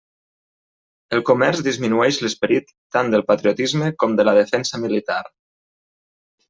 El comerç disminueix l'esperit tant del patriotisme com de la defensa militar.